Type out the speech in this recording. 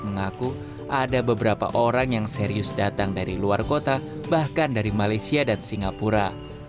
mengaku ada beberapa orang yang serius datang dari luar kota bahkan dari malaysia dan singapura